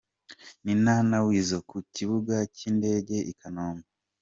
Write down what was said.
Nina na weasal ku kibuga cy'indege i Kanombe.